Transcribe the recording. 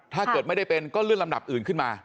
ถ้าเกิดไม่ได้เป็นก็เลื่อนลำดับอื่นขึ้นมา